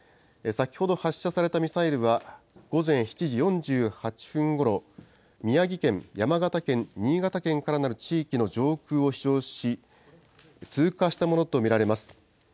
先ほど発射されたミサイルは、午前７時４８分ごろ、宮城県、山形県、新潟県からなる地域の上空を飛しょうし、通過したものと見られます。